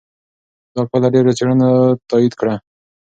دا پایله ډېرو څېړنو تایید کړه.